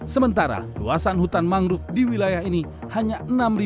sementara luasan hutan mangrove di wilayah ini hanya enam lima ratus